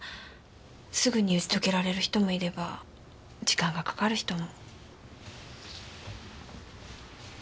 すぐに打ち解けられる人もいれば時間がかかる人も。